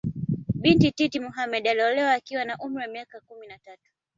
Bibi Titi Mohammed aliolewa akiwa na umri wa miaka kumi na tatu